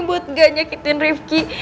buat gak nyakitin rifki